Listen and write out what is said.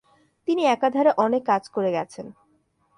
তিনি একাধারে অনেক কাজ করে গেছেন।